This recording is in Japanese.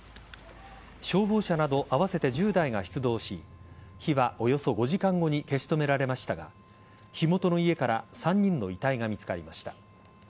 消防車など合わせて１０台が出動し火はおよそ５時間後に消し止められましたが火元の家から３人の遺体が見つかりました。